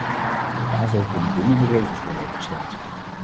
Daarvoor kunnen bindende regels worden opgesteld.